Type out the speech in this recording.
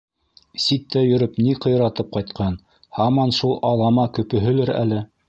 Ситтә йөрөп ни ҡыйратып ҡайтҡан, һаман шул алама көпөһөлөр әле.